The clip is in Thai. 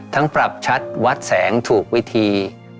ปรับชัดวัดแสงถูกวิธี